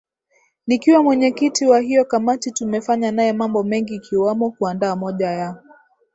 Nikiwa mwenyekiti wa hiyo kamati tumefanya naye mambo mengi ikiwamo kuandaa moja ya